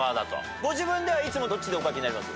ご自分ではいつもどっちでお書きになります？